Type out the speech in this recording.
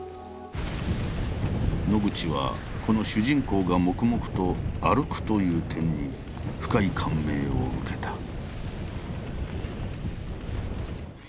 野口はこの主人公が黙々と歩くという点に深い感銘を受けた。